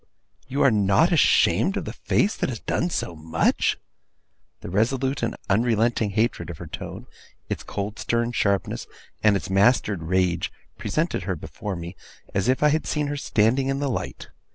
You are not ashamed of the face that has done so much?' The resolute and unrelenting hatred of her tone, its cold stern sharpness, and its mastered rage, presented her before me, as if I had seen her standing in the light.